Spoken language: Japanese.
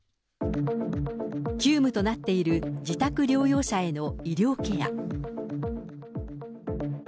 急務となっている自宅療養者への医療ケア。